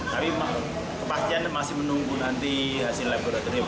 tapi kepastian masih menunggu nanti hasil laboratorium